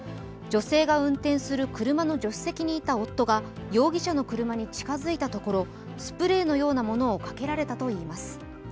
女性が運転する車の助手席にいた夫が容疑者の車に近づいたところスプレーのようなものをかけられたといいます。